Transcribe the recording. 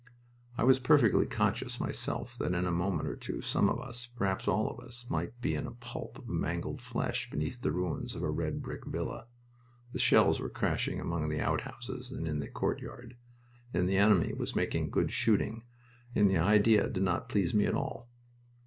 I was perfectly conscious myself that in a moment or two some of us, perhaps all of us, might be in a pulp of mangled flesh beneath the ruins of a red brick villa the shells were crashing among the outhouses and in the courtyard, and the enemy was making good shooting and the idea did not please me at all.